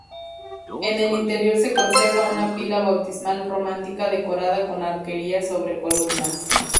En el interior se conserva una pila bautismal románica decorada con arquerías sobre columnas.